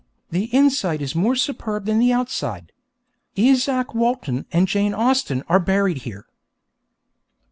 The inside is more superb than the outside. Izaak Walton and Jane Austen are buried here.